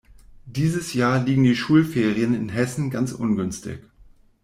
Dieses Jahr liegen die Schulferien in Hessen ganz ungünstig.